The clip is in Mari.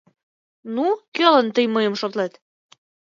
Ну, кӧлан тый мыйым шотлет?